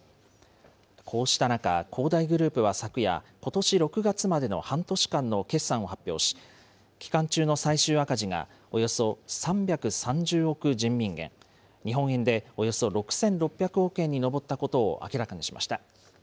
こうした中、恒大グループは昨夜、ことし６月までの半年間の決算を発表し、期間中の最終赤字がおよそ３３０億人民元、日本円でおよそ６６００億円に上ったことを明らかにしました。